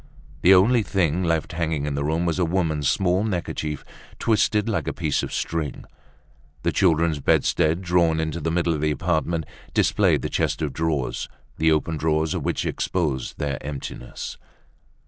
The only thing left hanging in the room was a woman's small neckerchief, twisted like a piece of string. The children's bedstead, drawn into the middle of the apartment, displayed the chest of drawers, the open drawers of which exposed their emptiness.